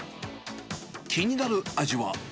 気になる味は。